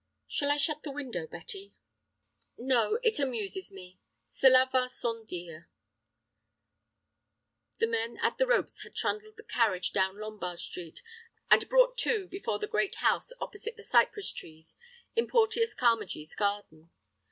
"Shall I shut the window, Betty?" "No, it amuses me; cela va sans dire." The men at the ropes had trundled the carriage down Lombard Street, and brought to before the great house opposite the cypress trees in Porteus Carmagee's garden.